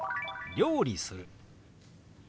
料理する。